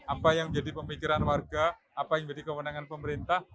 apa yang menjadi pemikiran warga apa yang menjadi kewenangan pemerintah